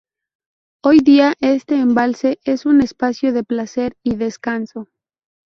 Hoy día este embalse es un espacio de placer y descanso.